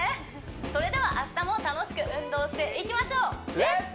それでは明日も楽しく運動していきましょう「レッツ！